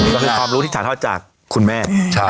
ก็คือความรู้ที่ถ่ายทอดจากคุณแม่